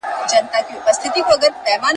زهر مار د دواړو وچ کړله رګونه !.